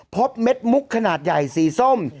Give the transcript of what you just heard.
เม็ดมุกขนาดใหญ่สีส้ม